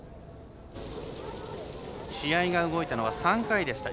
試合が動いたのは３回でした。